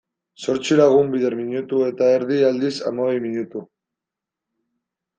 Zortzi lagun bider minutu eta erdi, aldiz, hamabi minutu.